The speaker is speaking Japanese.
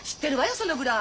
そのぐらい。